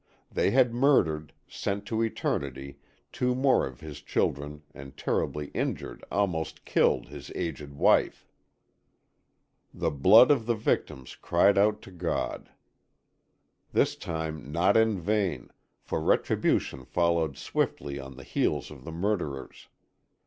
They had murdered, sent to eternity two more of his children and terribly injured, almost killed, his aged wife. The blood of the victims cried out to God. This time not in vain, for retribution followed swiftly on the heels of the murderers.